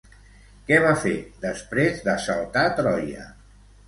Què va fer després d'assaltar Troia?